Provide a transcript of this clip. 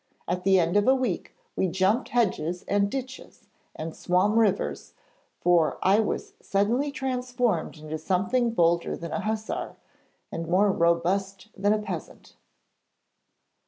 At the end of a week we jumped hedges and ditches and swam rivers, for I was suddenly transformed into something bolder than a hussar, and more robust than a peasant.'